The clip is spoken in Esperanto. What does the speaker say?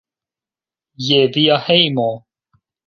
Je via hejmo!